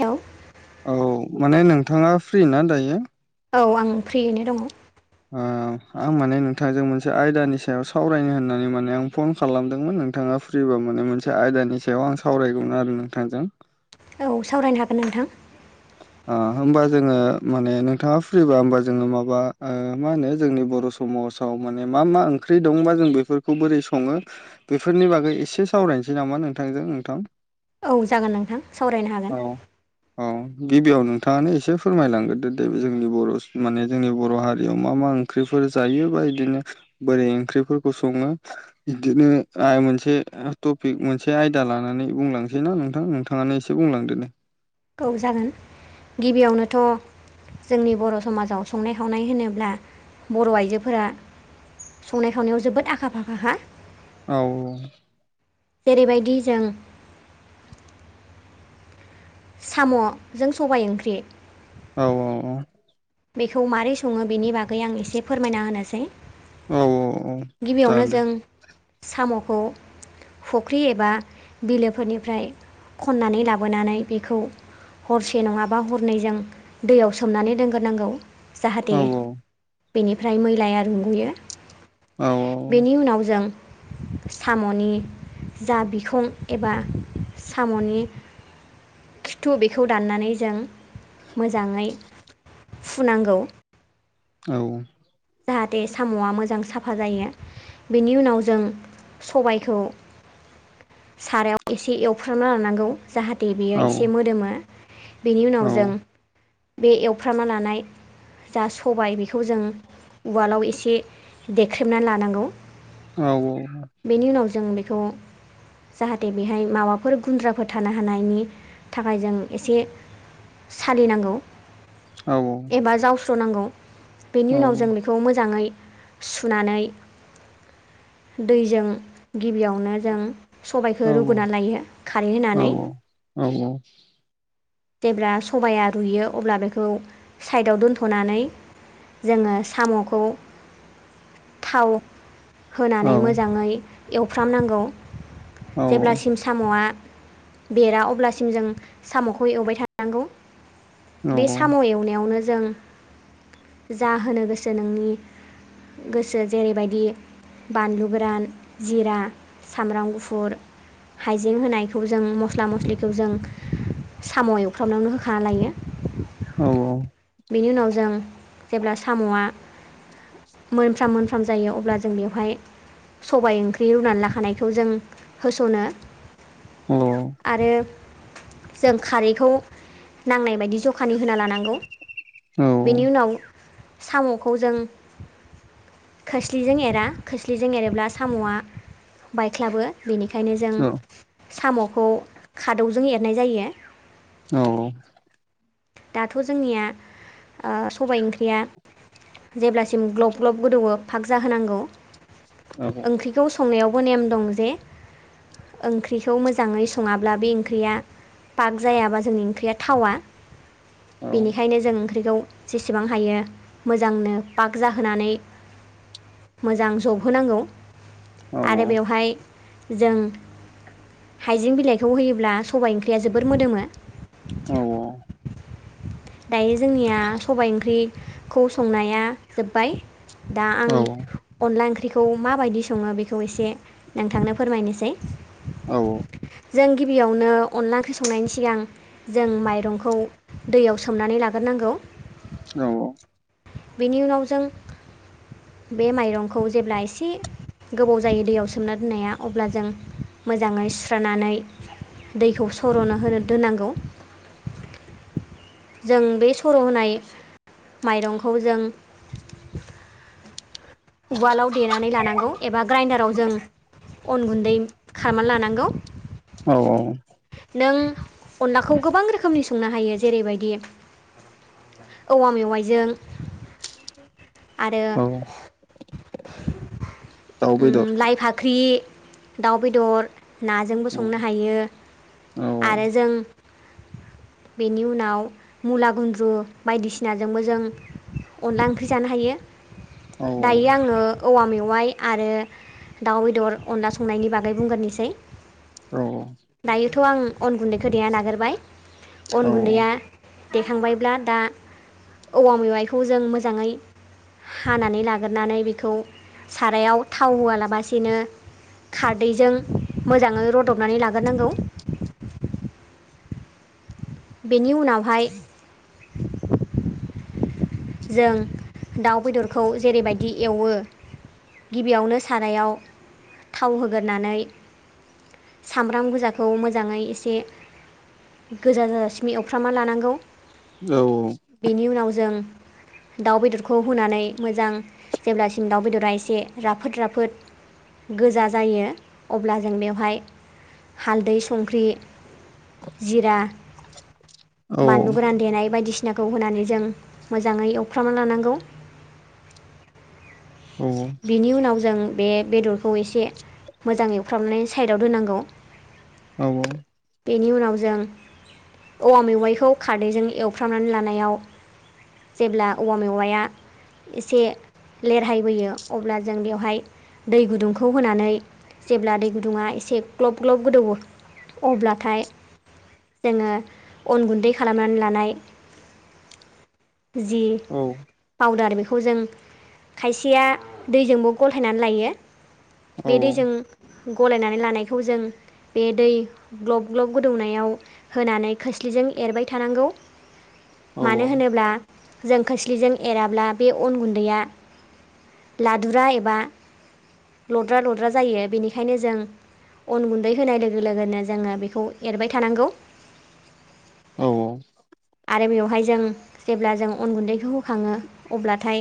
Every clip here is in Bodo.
औ। औ माने नोंथाङा फ्रि ना दायो? औ आं फ्रियैनो दङ'। ओ आं माने नोंथांजों मोनसे आयदानि सायाव सावरायनो होननानै माने आं फन खालामदोंमोन नोंथाङा फ्रिबा माने मोनसे आयदानि सायाव आं सावरायगौमोन आरो नोंथांजों। औ सावरायनो हागोन नोंथां। ओ होमबा जोङो माने नोंथाङा फ्रिबा होमबा जोङो माबा ओ मा होनो जोंनि बर' स समाजाव माने मा मा ओंख्रि दं बा जों बेफोरखौ बोरै सङो बेफोरनि बागै एसे सावरायनोसै नामा नोंथांजों नोंथां। औ जागोन नोंथां सावरायनो हागोन। औ औ। गिबियाव नोंथाङानो एसे फोरमायलांग्रोदो दे जोंनि बर' माने जोंनि बर' हारियाव मा मा ओं ख्रिफोर जायोबा इदिनो बोरै ओंख्रिफोरखौ सङो बिदिनो आ मोनसे टपिक मोनसे आयदा लानानै बुंलांसै ना नोंथां नोंथां। थाङानो एसे बुंलांदो दे। औ जागोन गिबियावनोथ' जोंनि बर' समाजाव संनाय खावनाय होनोब्ला बर' आइजोफोरा संनाय खावनायाव जोबोद आखा फाखाखा। औ। जेरैबायदि जों साम'जों सबाइ ओंख्रि औ औ औ। बेखौ मारै सङो बेनि बागै आं एसे फोरमायना होनोसै। औ औ औ। गिबियावनो जागोन दे जों साम'खौ फुख्रि एबा बिलोफोरनिफ्राय खननानै लाबोनानै बेखौ हरसे नङाबा हरनै जों दैयाव सोमनानै दोनग्रोनांगौ। औ जाहाथे बेनिफ्राय मैलाया रुंगुयो। औ बेनि उनाव जों साम'नि जा बिखं एबा साम'नि खिथु बेखौ दान्नानै जों मोजाङै फुनांगौ। औ। जाहाथे साम'आ मोजां साफा जायो बेनि उनाव जों सबायखौ सारायाव एसे एवफ्रामना लानांगौ जाहा [unintelligible] औ बियो एसे मोदोमो बेनि औ उनाव जों बे एवफ्रामना लानाय जा सबाय बेखौ जों उवालाव एसे देख्रेबना लानांगौ। औ औ। बेनि उनाव जों बेखौ जाहाथे बेहाय माबाफोर गुन्द्राफोर थानो हानायनि थाखाय जों एसे सालिनांगौ। औ औ बा जावस्र'नांगौ बेनि औ उनाव जों बेखौ मोजाङै सुनानै दैजों गिबियावनो जों सबायखौ रुग्रोना औ लायो खारै होनानै। औऔ जेब्ला सबाया रुयो अब्ला बेखौ साइडआव दोनथ'नानै जोङो साम'खौ थाव होनानै मोजाङै एवफ्रामनांगौ जेब्लासिम साम'आ बेरा अब्लासिम जों साम'खौ एवबाय थानांगौ। बे साम' एवनायावनो जों जा होनो गोसो नोंनि गोसो जेरैबायदि बानलु गोरान, जिरा, सामब्राम गुफुर, हाइजें होनायखौ जों मस्ला मस्लिखौ जों साम' एवफ्रामनायावनो होखाना लायो। औ औ बेनि उनाव जों जेब्ला साम'आ मोनफ्राम मोनफ्रोम जायो अब्ला जों बेवहाय सबाय ओंख्रि रुनानै लाखानायखौ जों होस'नो। औ आरो जों खारैखौ नांनाय बायदि जखानि होनानै लानांगौ। औ बेनि उनाव साम'खौ जों खोस्लिजों एरा खोस्लिजों एरोब्ला साम'आ बायख्लाबो बेनिखायनो जों दाउ साम'खौ खादौजों एरनाय जायो। औ दाथ' जोंनिया सबाय ओंख्रिया जेब्लासिम ग्लब ग्लब गोदौवो फाग जाहोनांगौ औ ओंख्रिखौ संनायावबो नेम दं जे ओंख्रिखौ मोजाङै सङाब्ला बे ओंख्रिया पाग जायाबा जोंनि ओंख्रिया थावा। बेनिखायनो जों ओंख्रिखौ जेसेबां हायो मोजांनो फाग जाहोनानै मोजां जबहोनांगौ आरो बेवहाय जों हाइजें बिलाइखौ होयोब्ला सबायाइ ओंख्रिया जोबोर मोदोमो। औ औ दायो जोंनिया सबाइ ओंख्रिखौ संनाया जोब्बाय। दा आं अनला ओंख्रिखौ माबायदि सङो बेखौ एसे नोंथांनो फोरमायनोसै। औ जों गिबियावनो अनला ओंख्रि संनायनि सिगां जों माइरंखौ दैयाव सोमनानै लाग्रोनांगौ औ औ बेनि उनाव जों बे माइरंखौ जेब्ला एसे गोबाव जायो दैयाव सोमना दोननाया अब्ला जों मोजाङै सुस्रानानै दैखौ सर'नो होनो दोननांगौ। जों बे सर' होनाय माइरंखौ जों उवालाव देनानै लानांगौ एबा ग्राइन्डाराव जों अन गुन्दै खामना लानांगौ। औ औ नों अनलाखौ गोबां रोखोमनि संनो हायो जेरैबायदि औवा मेवाइजों आरो बेदर लाइ फाख्रि, दाउ बेदर नाजोंबो औ संनो हायो औ आरो जों [inaudible] बेनि उनाव मुला गुन्द्रु बायदिसिनाजोंबो जों अनला ओंख्रि जानो हायो। औ दायो आङो औवा मेवाइ आरो दाउ बेदर अनला संनायनि बागै बुंग्रनोसै दायो थ' आं अन गुन्दैखो देना लागोरबाय अन औ गुन्दैया देखांबायब्ला दा औवा मेवाइखौ जों मोजाङै हानानै लागोरनानै बेखौ सारायाव थाव होआलाबसिनो खारदैजों मोजाङै रदबनानै लाग्रोनांगौ बेनि उनावहाय जों दाउ बेदरखौ जेरैबायदि एवो गिबियावनो सारायाव थाव होगोरनानै सामब्राम गोजाखौ मोजाङै एसे गोजा जाजासिम एवफ्रामना लानांगौ। औ औ। बेनि उनाव जों दाउ बेदरखौ होनानै मोजां जेब्लासिम दाउ बेदरा एसे राफोद राफोद गोजा जायो अब्ला जों बेवहाय हालदै संख्रि जिरा औ बानलु गोरान देनाय बायदिसिनाखौ होनानै जों मोजाङै एवफ्रामना लानांगौ औ औ। बिनि उनाव जों बे बेदरखौ एसे मोजां एवफ्रामनै साइडआव दोनांगौ। औ बेनि उनाव जों औवा मेवाइखौ खारदैजों एवफ्रामनानै लानायाव जेब्ला औवा मेवाइया एसे लेरहाय होैयो जों बेयाववहाय दै गुदुंखौ होनानै जेब्ला दै गुदुङा एसे ग्लब ग्लब गोदौवो अब्लाथाय जोङो अन गुन्दै खालामनानै लानाय जि पाउदार बेखौ जों खायसेया दैजोंबो गलहायनानै लायो बे दैजों गलायनानै लानायखौ जों बे दै ग्लब ग्लब गोदौनायाव होनानै खोस्लिजों एरबाय थानांगौ। मानो होनोब्ला जों खोस्लिजों एराब्ला बे अन गुन्दैया लादुरा एबा लद्रा लद्रा जायो बेनिखायनो जों अन गुन्दै होनाय लोगो लोगोनो जोङो बेखौ एरबाय थानांगौ। औ औ आरो बेवहाय जों जेब्ला जों अन गुन्दैखौ होखाङो अब्लाथाय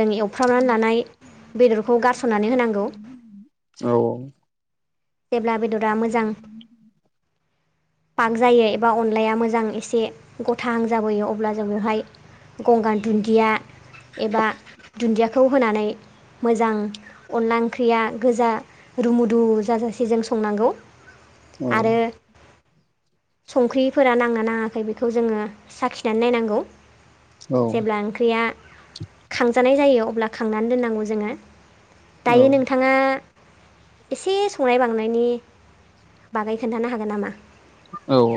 जों एव फ्रामनानै लानाय बेदरखौ गारस'ननानै होनांगौ। औ औ जेब्ला बेदरा मोजां पक जायो एबा अनलाया मोजां एसे गथाहां जाबोयो अब्ला जोङोहाय गंगार दुन्दिया एबा दुन्दियाखौ होनानै मोजां अनला ओंख्रिया गोजा रुमुदु जाजासे जों संनांगौ। औ आरो संख्रिफोरा नांना नाङाखै बे खौ जोङो साखिनानै नायनांगौ जेब्ला ओंख्रिया खांजानाय जायो अब्ला खांनानै दोननांगौ जोङो औ दायो नोंथाङा एसे संनाय बांनायनि बागै खोन्थानो नामा? औ औ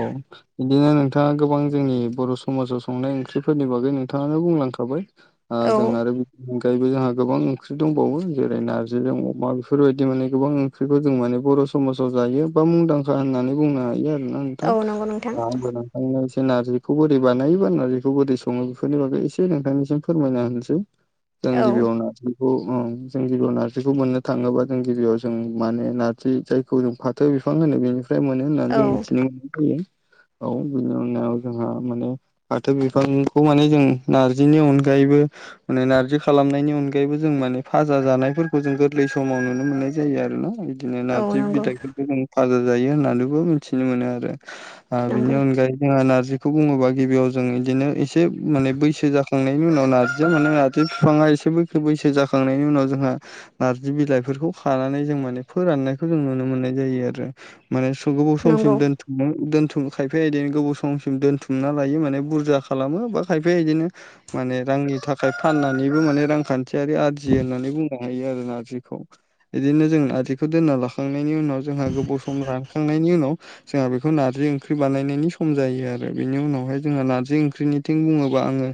इदिनो नोंथाङा गोबां जोंनि बर' समाजाव संनाय ओंख्रिफोरनि बागै नोंथाङानो बुंलांखाबाय। ओ औ जों आरो अनगायैबो जोंहा गोबां ओंख्रि दंबावो जेरै नारजिजों अमा बेफोरबायदि माने गोबां ओंख्रिखौ जों माने बर' स माजाव जायो बा मुंदांखा होननानै बुंनो हायो आरोना औ नंगौ नोंथां नोंथां। एसे नारजिखौ बोरै बानायो बा नारजिखौ बोरै सङो बेफोरनि बागै एसे नोंथांनिसिम फोरमायना होनोसै। जों औ गिबियावनो नारजि खौ ओ जों गिबियाव नारजिखौ मोननो थाङोबा गिबियाव जों माने नारजि जाय खौ जों फाथो बिफां होनो बेनिफ्राय मोनो होननानै औ जों मिथिनो मोननाय जायो। औ बिनि उनाव जोंहा माने फाथो बिफांखौ माने जों नारजिनि अनगायैबो माने नारजि खालामनायनि अनगायैबो जों माने फाजा जानायफोरखौ जों गोरलै समाव नुनो मोननाय जायो आरो ना। बिदिनो औ नार्जि नंगौ बिलाइफोरखो जों भाजा जायो होननानैबो मिन्थिनो मोनो आरो। आ बिनि नंगौ अनगायै जोंहा नार्जिखौ बुङोबा गिबियाव जों बिदिनो इसे माने बैसो जा खांनायनि उनाव नारजिया मोनो नारजि फिफाङा इसे बैखो बैसो जाखांनायनि उनाव जोंहा नारजि बिलाइफोरखौ खानानै जों माने फोराननायखौ जों नुनो मोननाय जायो आरो माने सुबुं समसिम नंगौ दोन थुम खायफाया इदिनो गोबाव समसिम दोन्थुमना लायो माने बुरजा खालामो बा खायफाया इदिनो माने रांनि थाखाय फाननानैबो माने रांखान्थियारि आरजियो होननानै बुंनो हायो आरोना नारजिखौ। इदिनो जों नारजिखौ दोनना लाखांनायनि उनाव जोंहा गोबाव सम रानखांनायनि उनाव जोंहा बेखौ नारजि ओंख्रि बानायनायनि सम जायो आरो बेनि उनावहाय जोंहा नारजि ओंख्रिनि थिं बुङोबा आङो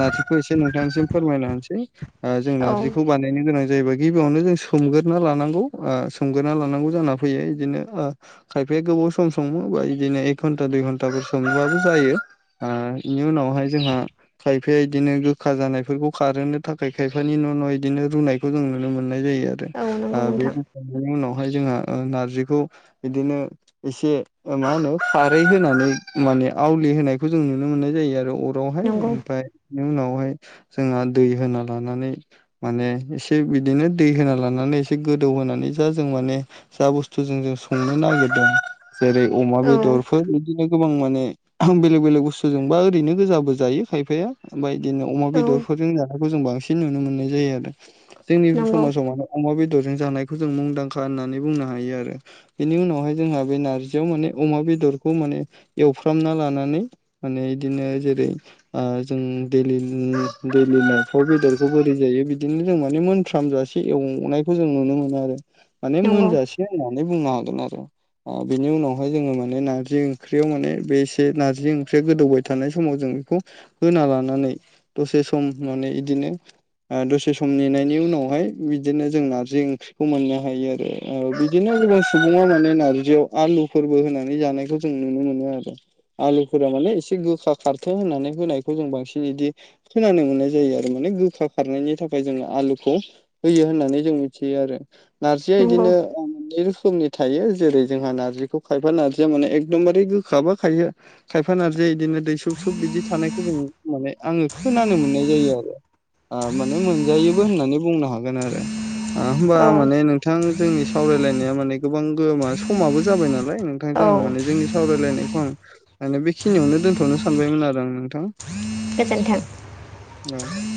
नारजिखौ इसे नोंथांनिम फोरमायना होनोसै। ओ जों औ नारजिखौ बानाय नो गोनां जायोबा गिबियावनो जों सोमगोरना लानांगौ ओ सोमगोरना लानांगौ जाना फैयो इदिनो ओ खायफाया गोबाव सम सोमो बा इदिनो एक घन्टा दुइ घन्टाफोर सोमबाबो जायो। आ इनि उनावहाय जोंहा खायफाया इदिनो गोखा जानायफोरखौ खारहोनो थाखाय खायफानि न' न' इदिनो रुनायखौ जों नुनो मोननाय जायो आ रो औ नंगौ आ बे नोंथां रूखांनायनि उनावहाय जोंहा ओ नारजिखौ बिदिनो एसे ओ मा होनो खारै होनानै माने आवलि होनायखौ जों नुनो मोननाय जायो आरो अ रावहाय नंगौ ओमफाय इनि उनावहाय जोंहा दै होना लानानै माने इसे बिदिनो दै होना लानानै एसे गोदौ होनानै जा जों माने जा बुस्थुजों जों संनो नागिरदों जेरै अमा औ बेदरफोर इदिनो गोबां माने बेलेग बेलेग बुस्थुजोंबा ओरैनो गोजाबो जायो खायफाया। बायदिनो अमा औ बेदरफोरजों जानायखौ जों बांसिन नुनो मोननाय जायो आरो जोंनि नंगौ समाजाव मानो अमा बेदरजों जानायखौ जों मुंदांखा होननानै बुंनो हायो आरो बेनि उनावहाय जोंहा बे नारजियाव माने अमा बेदरखौ माने एवफ्रामना लानानै माने इदिनो जेरै ओ जों दैलि उम दैलि न'फ्राव बेदरखौ बोरै जायो बिदिनो जों माने मोनफ्राम जा से एवनायखौ जों नुनो मोनो माने नंगौ मोनजासे होननानै बुंनो हागोन आरो। अ बिनि उनावहाय जोङो माने नारजि ओंख्रियाव माने बे एसे नारजि ओंख्रिया गोदौबाय थानाय समाव जों बिखौ होना लानानै दसे सम माने इदिनो ओ दसे सम नेनायनि उनावहाय बिदिनो जों नारजि ओंख्रिखौ मोननो हायो आरो। ओ बिदिनो गोबां सुबुङा माने नारजियाव आलुफोरबो होनानै जानायखौजों नुनो मोनो आरो। आलुफोरा माने इसे गोखा खारथो होननानै होनायखौ जों बांसिन इदि खोनानो मोननाय जायो आरो माने गोखा खारनायनि थाखाय जोङो आलुखौ होयो होननानै जों मिथियो आरो नारजिया नंगौ इदिनो ए' रोखोमनि थायो जेरै जोंहा नारजिखौ खायफा नारजिया माने एकदमबारे गोखाबो खायो खायफा नारजिया इदिनो दैसुब सुब बिदि थानायखौ जोङो माने आङो खोनानो मोननाय जायो आरो। ओ माने मोनजायोबो होननानै बुंनो हागोन आरो। आ होमबा औ माने नोंथां जोंनि सावरायलायनाया माने गोबां गो मा समाबो जाबाय नालाय औ नोंथांजों आं माने जोंनि सावरायलायनायखौ आं माने बेखिनियावनो दोनथ'नो सानबायमोन आरो आं नोंथां। गोजोन्थों। [unintelligible]